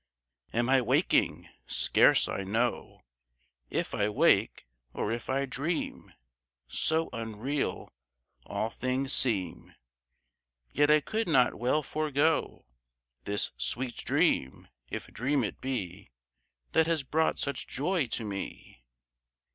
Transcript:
Am I waking? Scarce I know If I wake or if I dream, So unreal all things seem; Yet I could not well forego This sweet dream, if dream it be, That has brought such joy to me.